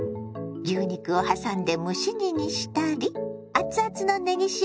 牛肉をはさんで蒸し煮にしたりアツアツのねぎ塩